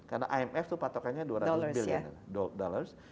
karena imf itu patokannya dua ratus billion